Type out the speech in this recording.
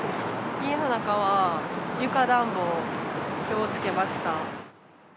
家の中は床暖房、きょうつけました。